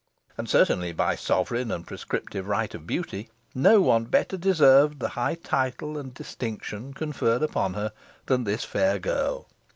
And, certainly, by sovereign and prescriptive right of beauty, no one better deserved the high title and distinction conferred upon her than this fair girl.